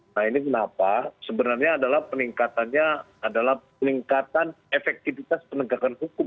nah ini kenapa sebenarnya adalah peningkatannya adalah peningkatan efektivitas penegakan hukum